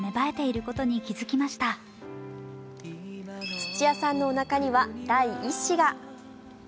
土屋さんのおなかには第１子が。